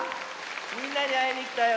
みんなにあいにきたよ。